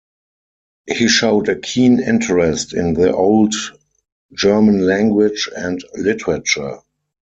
He showed a keen interest in the old German language and literature.